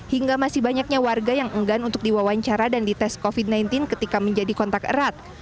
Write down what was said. hingga masih banyaknya warga yang enggan untuk diwawancara dan dites covid sembilan belas ketika menjadi kontak erat